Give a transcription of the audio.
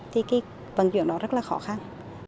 thì cái vận chuyển đó rất là khó khăn